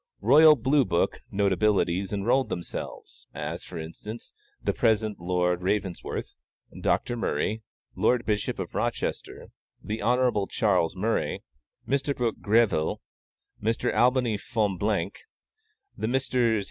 "Royal Blue Book" notabilities enrolled themselves; as, for instance, the present Lord Ravensworth, Dr. Murray, Lord Bishop of Rochester, the Honorable Charles Murray, Mr. Brooke Greville, Mr. Albany Fonblanque, the Messrs.